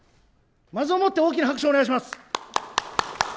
まずをもって、大きな拍手をお願いします。